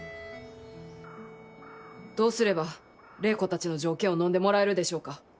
どうすれば礼子たちの条件をのんでもらえるでしょうか。